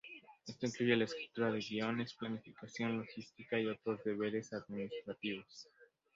Esto incluye la escritura de guiones, planificación, logística, y otros deberes administrativos.